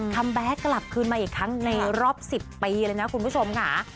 แบ็คกลับคืนมาอีกครั้งในรอบ๑๐ปีเลยนะคุณผู้ชมค่ะ